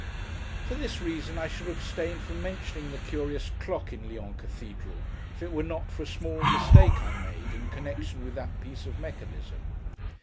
For this reason, I should abstain from mentioning the curious clock in Lyons Cathedral, if it were not for a small mistake I made, in connection with that piece of mechanism.